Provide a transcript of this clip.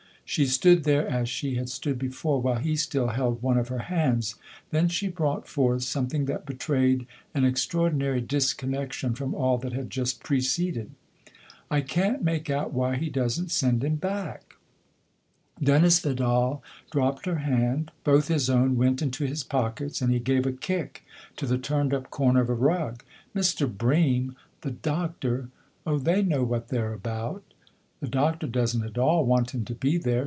She stood there as she had stood before, while he still held one of her hands ; then she brought forth some thing that betrayed an extraordinary disconnection from all that had just preceded. " I can't make out why he doesn't send him back !" THE OTHER HOUSE 69 Dennis Vidal dropped her hand ; both his own went into his pockets, and he gave a kick to the turned up corner of a rug. " Mr. Bream the Doctor ? Oh, they know what they're about !"" The doctor doesn't at all want him to be there.